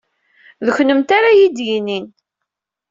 D kennemti ara iyi-d-yinin.